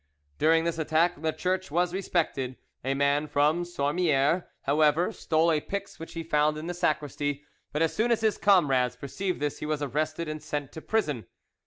During this attack the church was respected; a man from Sornmieres, however, stole a pyx which he found in the sacristy, but as soon as his comrades perceived this he was arrested and sent to prison.